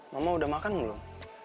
mama udah makan belum